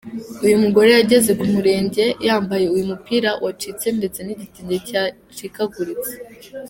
Uyu mugore yageze ku murenge yambaye uyu mupira wacitse ndetse n’igitenge cyacikaguritse.